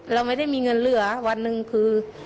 เราไม่ได้มีเงินเหลือวันหนึ่งคือ